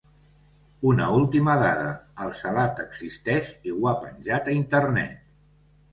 Una última dada: el salat existeix i ho ha penjat a Internet.